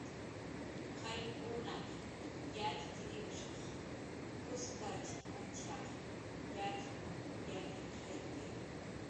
"Qayllkunaq yatxchirp""shq kuskach machaq yatxkun yatxirqayki"